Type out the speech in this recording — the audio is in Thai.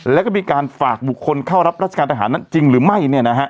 แล้วก็มีการฝากบุคคลเข้ารับราชการทหารนั้นจริงหรือไม่